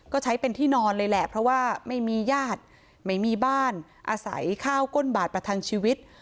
ก็ใช้เป็นที่นอนเลยแหละเพราะว่าไม่มีญาติไม่มีบ้านอาศัยข้าวก้นบาทประทังชีวิต